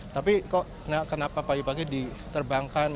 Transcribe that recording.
tapi kok kenapa pagi pagi diterbangkan